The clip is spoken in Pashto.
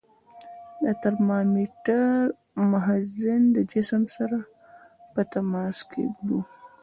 د ترمامتر مخزن د جسم سره په تماس کې ږدو.